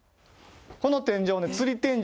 この天井。